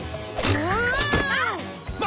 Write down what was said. うわ。